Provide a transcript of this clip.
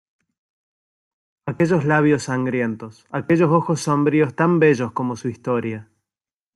¡ aquellos labios sangrientos, aquellos ojos sombríos tan bellos como su historia!...